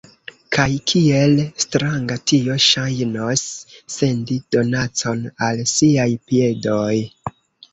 Kaj kiel stranga tio ŝajnos, sendi donacon al siaj piedoj!